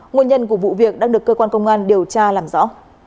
nguồn nhân của vụ việc đang được cơ quan công an điều tra làm rõ